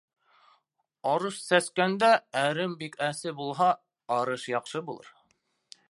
Арыш сәскәндә әрем бик әсе булһа, арыш яҡшы булыр.